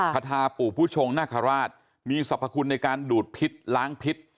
คาทาปู่ผู้ชงนาคาราชมีสรรพคุณในการดูดพิษล้างพิษ